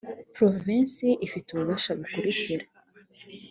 provensi ifite ububasha bukurikira